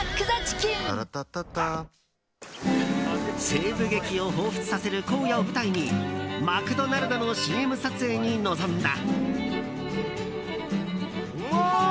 西部劇をほうふつとさせる荒野を舞台にマクドナルドのＣＭ撮影に臨んだ。